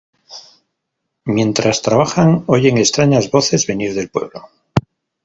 Mientras trabajan, oyen extrañas voces venir del pueblo.